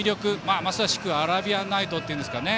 まさしくアラビアンナイトというんですかね。